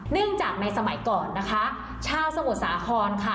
เนื่องจากในสมัยก่อนนะคะชาวสมุทรสาครค่ะ